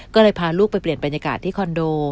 ก็เลยพาลูกไปเปลี่ยนบรรยากาศที่คอนโด